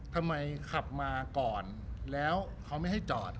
ทำไมขับมาก่อนแล้วเขาไม่ให้จอด